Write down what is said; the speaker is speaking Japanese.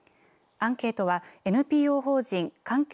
アンケートはＮＰＯ法人環境